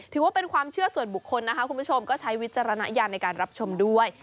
ถือว่าเป็นความเชื่อส่วนบุคคลนะคะคุณผู้ชมก็ใช้วิจารณญาณในการรับชมด้วย